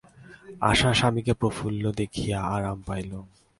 আশা স্বামীকে প্রফুল্ল দেখিয়া আরাম পাইল।